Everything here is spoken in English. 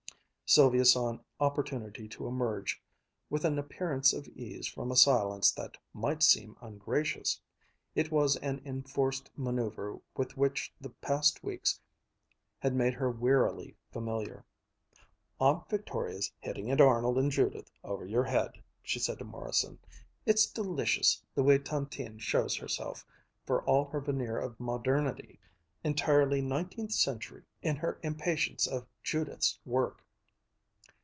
Sylvia saw an opportunity to emerge with an appearance of ease from a silence that might seem ungracious. It was an enforced manoeuver with which the past weeks had made her wearily familiar. "Aunt Victoria's hitting at Arnold and Judith over your head," she said to Morrison. "It's delicious, the way Tantine shows herself, for all her veneer of modernity, entirely nineteen century in her impatience of Judith's work.